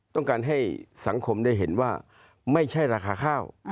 ต้องการให้สังคมได้เห็นว่าไม่ใช่ราคาข้าว